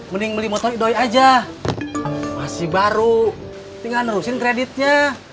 mending beli motor idoy aja masih baru tinggal nerusin kreditnya